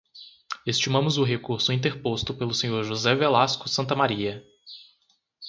Estimamos o recurso interposto pelo senhor José Velasco Santamaría.